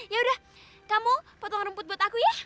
ya udah kamu potong rumput buat aku ya